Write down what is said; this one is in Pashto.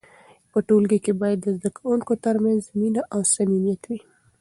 په ټولګي کې باید د زده کوونکو ترمنځ مینه او صمیمیت وي.